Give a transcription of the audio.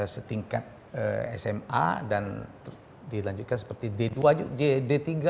setingkat sma dan dilanjutkan seperti d dua juga